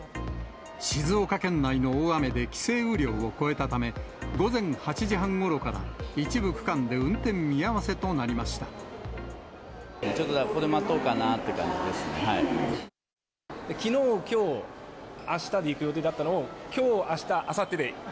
静岡県内の大雨で、規制雨量を超えたため、午前８時半ごろから、一部区間で運転見合ちょっと、きのう、きょう、あしたで行く予定だったのを、きょう、あした、あさってで。